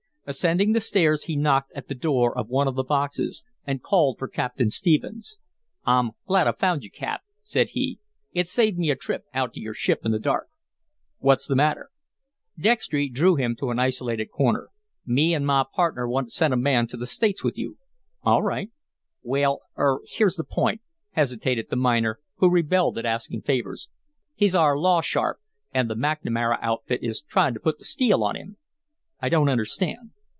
Ascending the stairs, he knocked at the door of one of the boxes and called for Captain Stephens. "I'm glad I found you, Cap," said he. "It saved me a trip out to your ship in the dark." "What's the matter?" Dextry drew him to an isolated corner. "Me an' my partner want to send a man to the States with you." "All right." "Well er here's the point," hesitated the miner, who rebelled at asking favors. "He's our law sharp, an' the McNamara outfit is tryin' to put the steel on him." "I don't understand."